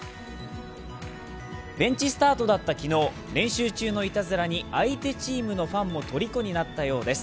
ベンチスタートだった昨日、練習中のいたずらに相手選手も夢中になったようです